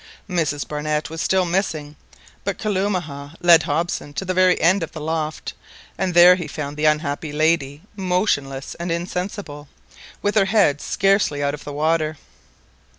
Mrs Barnett was still missing, but Kalumah led Hobson to the very end of the loft, and there he found the unhappy lady motionless and insensible, with her head scarcely out of the water.